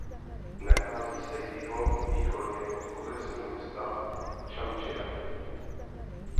Nachází se jiho východně od okresního města Očamčyra.